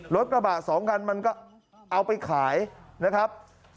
รถกระบะสองคันมันก็เอาไปขายนะครับ